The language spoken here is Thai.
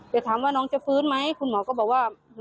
แต่ถามว่าน้องจะฟื้นไหมคุณหมอก็บอกว่า